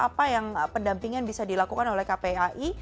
apa yang pendampingan bisa dilakukan oleh kpai